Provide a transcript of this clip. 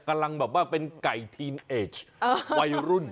กำลังเป็นไก่ทีนเอจวัยรุ่น